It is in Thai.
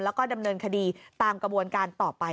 แล้วก็ดำเนินคดีตามกระบวนการต่อไป